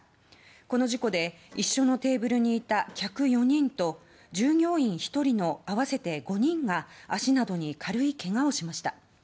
この事故で一緒のテーブルにいた客４人と従業員１人の合わせて５人が足などに軽いけがをしました。